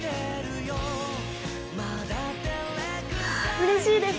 うれしいです！